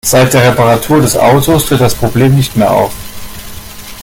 Seit der Reparatur des Autos tritt das Problem nicht mehr auf.